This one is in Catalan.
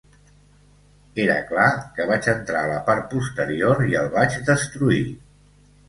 Era clar que vaig entrar a la part posterior i el vaig destruir.